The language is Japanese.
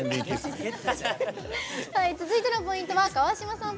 続いてのポイントは川島さん